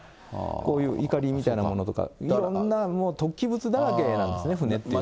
こういういかりみたいなものとか、いろんな突起物だらけなんですね、船っていうのは。